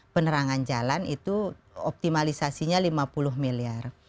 penerangan jalan itu optimalisasinya lima puluh miliar